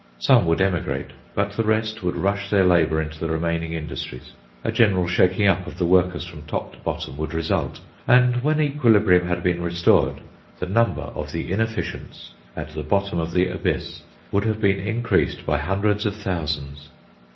Some would emigrate, but the rest would rush their labour into the remaining industries. A general shaking up of the workers from top to bottom would result; and when equilibrium had been restored, the number of the inefficients at the bottom of the Abyss would have been increased by hundreds of thousands.